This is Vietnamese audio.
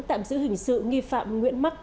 tạm giữ hình sự nghi phạm nguyễn mắc